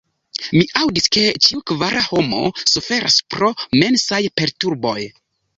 Mi aŭdis, ke ĉiu kvara homo suferas pro mensaj perturboj.